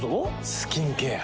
スキンケア。